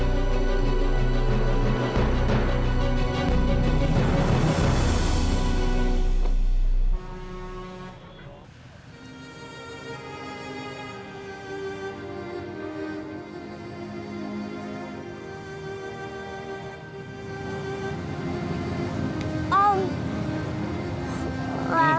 om lara ngantuk